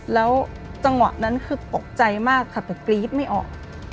แล้วจังหวะนั้นคือตกใจมากค่ะแต่กรี๊ดไม่ออก